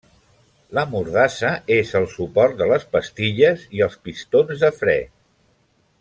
La mordassa és el suport de les pastilles i els pistons de fre.